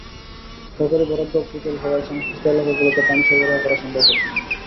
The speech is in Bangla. সরকারি বরাদ্দ অপ্রতুল হওয়ায় সংশ্লিষ্ট এলাকাগুলোতে পানি সরবরাহ করা সম্ভব হচ্ছে না।